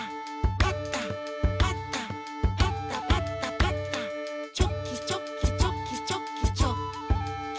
「パタパタパタパタパタ」「チョキチョキチョキチョキチョキ」